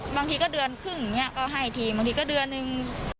บางทีก็เดือนครึ่งก็ให้ทีบางทีก็เดือนหนึ่ง